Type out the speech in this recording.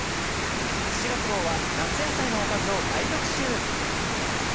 ７月号は夏野菜のおかずを大特集！